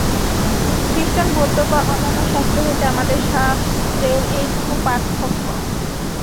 খ্রীষ্টান, বৌদ্ধ বা অন্যান্য শাস্ত্র হইতে আমাদের শাস্ত্রের এইটুকু পার্থক্য।